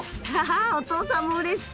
お父さんもうれしそう！